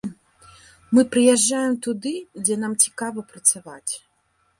Мы прыязджаем туды, дзе нам цікава працаваць.